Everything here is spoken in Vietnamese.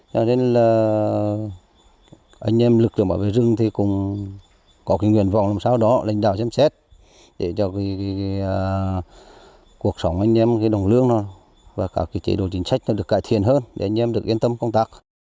cho nên là anh em lực lượng bảo vệ rừng thì cũng có cái nguyện vọng làm sao đó lãnh đạo xem xét để cho cuộc sống anh em cái đồng lương và các chế độ chính sách nó được cải thiện hơn để anh em được yên tâm công tác